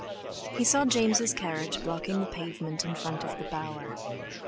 He saw James' carriage blocking the pavement in front of "The Bower".